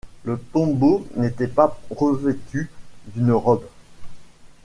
Le tombeau n'était pas revêtu d'une robe.